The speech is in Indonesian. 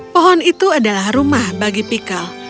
pohon itu adalah rumah bagi pikal